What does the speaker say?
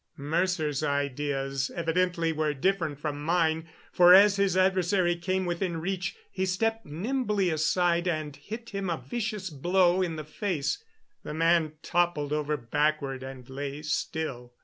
Mercer's ideas evidently were different from mine, for as his adversary came within reach he stepped nimbly aside and hit him a vicious blow in the face. The man toppled over backward and lay still.